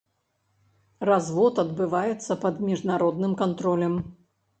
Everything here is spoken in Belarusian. Развод адбываецца пад міжнародным кантролем.